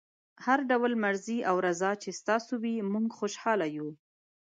هر ډول مرضي او رضای تاسو وي موږ خوشحاله یو.